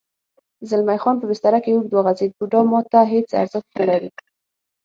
زلمی خان په بستره کې اوږد وغځېد: بوډا ما ته هېڅ ارزښت نه لري.